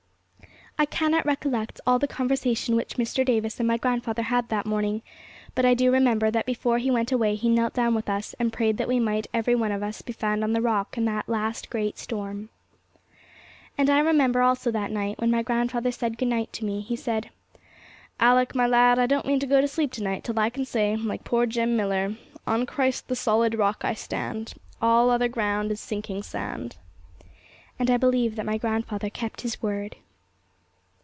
I cannot recollect all the conversation which Mr. Davis and my grandfather had that morning, but I do remember that before he went away he knelt down with us, and prayed that we might every one of us be found on the Rock in that last great storm. And I remember also that that night, when my grandfather said good night to me, he said, 'Alick, my lad, I don't mean to go to sleep to night till I can say, like poor Jem Millar, 'On Christ, the solid Rock, I stand, All other ground is sinking sand.' And I believe that my grandfather kept his word.